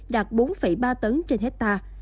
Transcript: đạt bốn ba tấn trên hectare